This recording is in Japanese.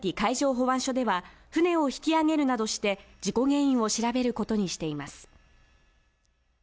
御前崎海上保安署では船を引き上げるなどして、事故原因を調べることにしています。